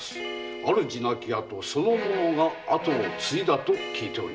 主亡き後その者があとを継いだと聞いております。